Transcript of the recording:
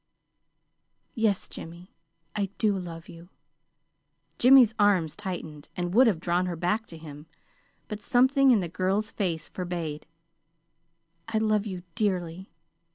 "Yes, Jimmy, I do love you." Jimmy's arms tightened, and would have drawn her back to him; but something in the girl's face forbade. "I love you dearly.